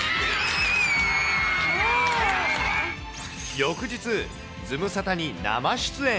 翌日、ズムサタに生出演。